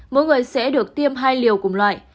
mỗi người sẽ được tiêm hai liều cùng loại